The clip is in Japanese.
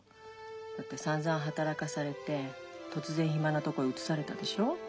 だってさんざん働かされて突然暇なとこへ移されたでしょ？